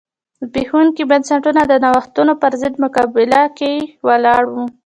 زبېښونکي بنسټونه د نوښتونو پرضد مقابله کې ولاړ و.